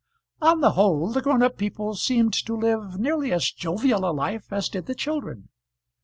On the whole, the grown up people seemed to live nearly as jovial a life as did the children.